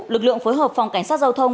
lực lượng phối hợp phòng cảnh sát giao thông